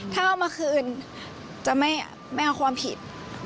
ถ้าเอามาคืนจะไม่เอาความผิด